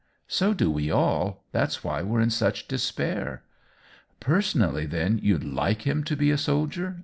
" So do we all. That's why we're in such despair." " Personally, then, you'd like him to be a soldier